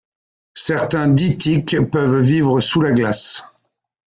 Certains dytiques peuvent vivre sous la glace.